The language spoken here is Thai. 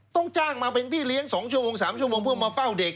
ต้องจ้างมาเป็นพี่เลี้ยง๒ชั่วโมง๓ชั่วโมงเพื่อมาเฝ้าเด็ก